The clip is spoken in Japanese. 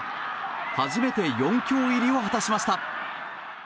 初めて４強入りを果たしました。